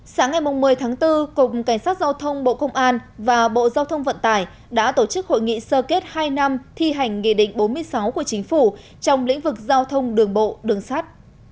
sáng ngày một mươi tháng bốn cục cảnh sát giao thông bộ công an và bộ giao thông vận tải đã tổ chức hội nghị sơ kết hai năm thi hành nghị định bốn mươi sáu của chính phủ trong lĩnh vực giao thông đường bộ đường sắt